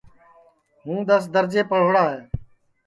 ہُوں دؔس درجے پڑھوڑا ہے